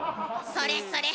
それそれ